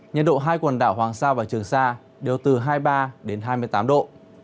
nhiệt độ hai quần đảo hoàng sa và trường sa đều từ hai mươi ba đến hai mươi tám độ